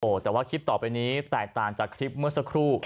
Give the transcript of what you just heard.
แต่ว่าคลิปต่อไปนี้แตกต่างจากคลิปเมื่อสักครู่